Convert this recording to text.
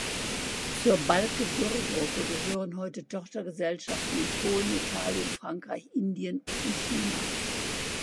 Zur Balcke-Dürr Gruppe gehören heute Tochtergesellschaften in Polen, Italien, Frankreich, Indien und China.